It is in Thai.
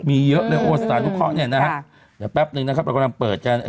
มีเยอะเลยโอสถานุเคาะเนี่ยนะฮะเดี๋ยวแป๊บนึงนะครับเรากำลังเปิดกัน